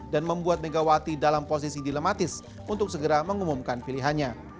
dan membuat megawati dalam posisi dilematis untuk segera mengumumkan pilihannya